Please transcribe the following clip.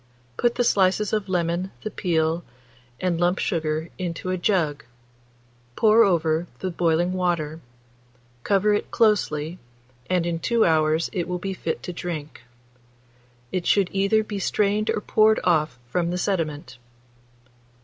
Put the slices of lemon, the peel, and lump sugar into a jug; pour over the boiling water; cover it closely, and in 2 hours it will be fit to drink. It should either be strained or poured off from the sediment.